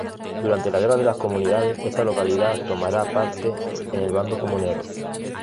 Durante la Guerra de las Comunidades esta localidad tomará parte en el bando comunero.